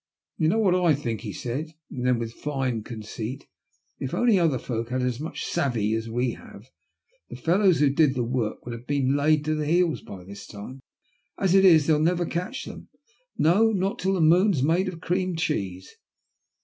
" You know what I think," he said ; then with fine conceit, " If only other folk had as much savee as we have, the fellows who did the work would have been laid by the heels by this time. As it is they'll never catch them — no, not till the moon's made of cream cheese."